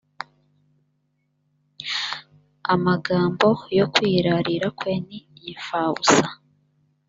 amagambo yo kwirarira kwe ni imfabusa